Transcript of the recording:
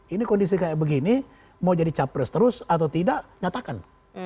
ini kondisi kayak begini mau jadi capres terus atau tidak nyatakan